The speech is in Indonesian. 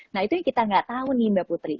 nah itu yang kita nggak tahu nih mbak putri